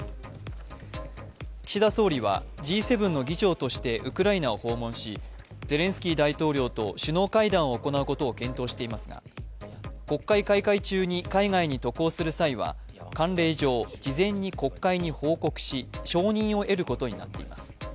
岸田総理はＧ７の議長としてウクライナを訪問しゼレンスキー大統領と首脳会談を行うことを検討していますが国会開会中に海外に渡航する際は慣例上、事前に国会に報告し承認を得ることになっています。